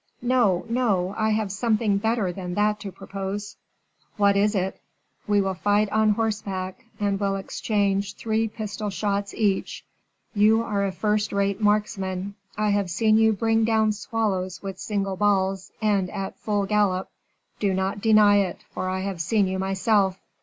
"No, no; I have something better than that to propose." "What is it?" "We will fight on horseback, and will exchange three pistol shots each. You are a first rate marksman. I have seen you bring down swallows with single balls, and at full gallop. Do not deny it, for I have seen you myself."